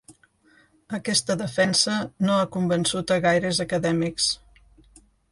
Aquesta defensa no ha convençut a gaires acadèmics.